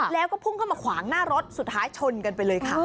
แล้วก็พุ่งเข้ามาขวางหน้ารถสุดท้ายชนกันไปเลยค่ะ